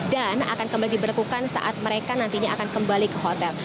dan akan kembali diberlakukan saat mereka nantinya akan kembali ke hotel